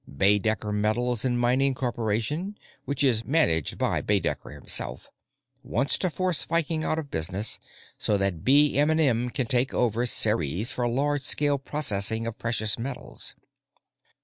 Baedecker Metals & Mining Corporation, which is managed by Baedecker himself, wants to force Viking out of business so that BM&M can take over Ceres for large scale processing of precious metals.